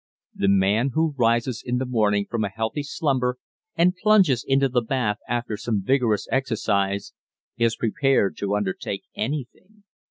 The man who rises in the morning from a healthy slumber and plunges into the bath after some vigorous exercise is prepared to undertake anything.